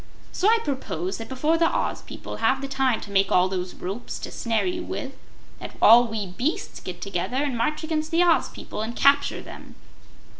So I propose that before the Oz people have the time to make all those ropes to snare you with, that all we beasts get together and march against the Oz people and capture them.